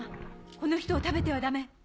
この人を食べてはダメ。